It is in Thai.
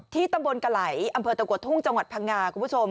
ที่ตำบลกะไหลอำเภอตะกวดทุ่งจังหวัดพังงา